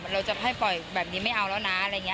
เราจะให้ปล่อยแบบนี้ไม่เอาแล้วนะ